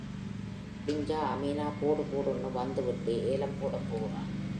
விடிஞ்சா அமீனா போடு போடுன்னு வந்து வீட்டே ஏலம் போடப் போறான்.